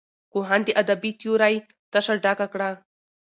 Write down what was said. کوهن د ادبي تیورۍ تشه ډکه کړه.